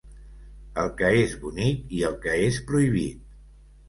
El que és bonic i el que és prohibit.